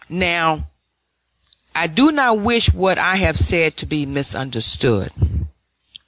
Now I do not wish what I have said to be misunderstood.